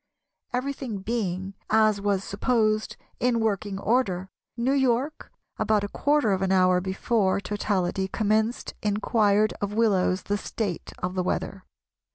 Everything being, as was supposed, in working order, New York about a quarter of an hour before totality commenced inquired of Willows the state of the weather.